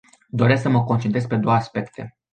Doresc să mă concentrez pe două aspecte.